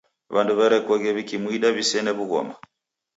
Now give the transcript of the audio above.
W'andu w'erekoghe w'ikimwida w'isene w'ughoma.